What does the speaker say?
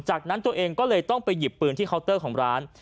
จากนั้นตัวเองก็เลยต้องไปหยิบปืนที่เคาน์เตอร์ของร้าน